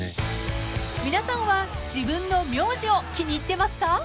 ［皆さんは自分の名字を気に入ってますか？］